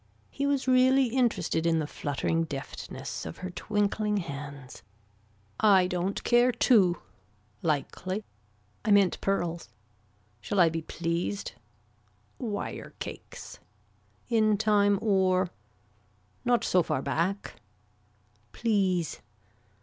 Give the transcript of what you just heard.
He was really interested in the fluttering deftness of her twinkling hands. I don't care too. Likely. I meant pearls. Shall I be pleased. Wire cakes. In time or. Not so far back. Please.